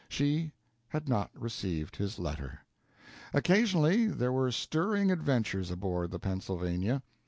She had not received his letter. Occasionally there were stirring adventures aboard the "Pennsylvania."